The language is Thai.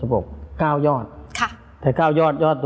แต่๙ยอดยอดตรงกลางนั้นที่พิเศษขึ้นไปขึ้นลังนะ๗ชั้นเจือนกรอน